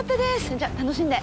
じゃあ楽しんで。